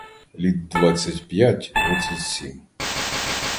Літ двадцять п'ять, двадцять сім.